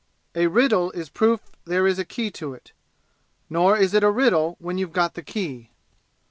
A riddle is proof there is a key to it. Nor is it a riddle when you've got the key.